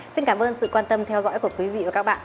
xin cảm ơn sự quan tâm theo dõi của quý vị và các bạn